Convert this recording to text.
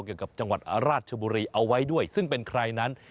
จังหวัดราชบุรีเอาไว้ด้วยซึ่งเป็นใครนั้น